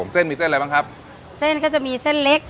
เส้นมีเส้นอะไรบ้างครับเส้นก็จะมีเส้นเล็ก